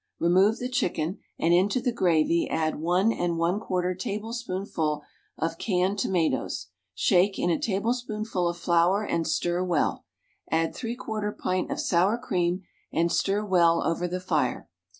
Remove the chicken, and into the gravy add ij4 tablespoonsful of canned tomatoes; shake in a tablespoonful of flour and stir well; add % pint of sour cream and stir well over the fire.